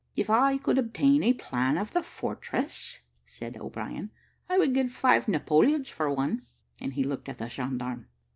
"If I could obtain a plan of the fortress," said O'Brien, "I would give five Napoleons for one;" and he looked at the gendarme.